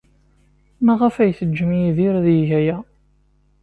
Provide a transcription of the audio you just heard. Maɣef ay teǧǧam Yidir ad yeg aya?